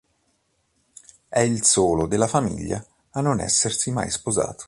È il solo della famiglia a non essersi mai sposato.